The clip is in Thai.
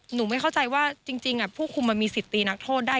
ไม่เข้าใจว่าจริงผู้คุมมันมีสิทธิ์ตีนักโทษได้